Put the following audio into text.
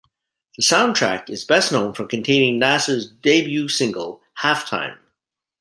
The soundtrack is best known for containing Nas's debut single "Halftime".